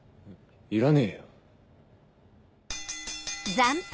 いらねえよ。